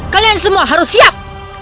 kalian semua harus siap